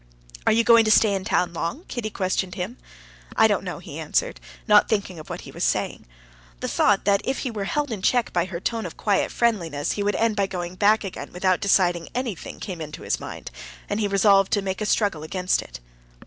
"Are you going to stay in town long?" Kitty questioned him. "I don't know," he answered, not thinking of what he was saying. The thought that if he were held in check by her tone of quiet friendliness he would end by going back again without deciding anything came into his mind, and he resolved to make a struggle against it.